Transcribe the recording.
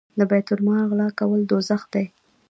د بیت المال غلا کول دوزخ دی.